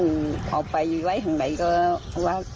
ก็ว่าเขาไปอยู่ไหนของไหนก็ว่า